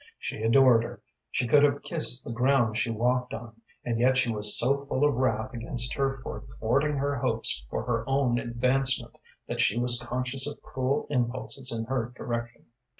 She adored her, she could have kissed the ground she walked on, and yet she was so full of wrath against her for thwarting her hopes for her own advancement that she was conscious of cruel impulses in her direction.